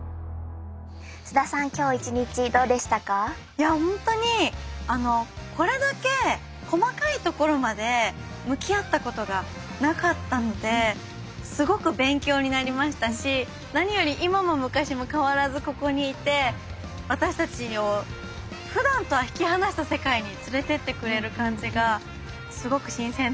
いやほんとにこれだけ細かいところまで向き合ったことがなかったんですごく勉強になりましたし何より今も昔も変わらずここにいて私たちをふだんとは引き離した世界に連れてってくれる感じがすごく新鮮でした。